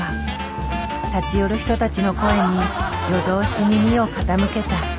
立ち寄る人たちの声に夜通し耳を傾けた。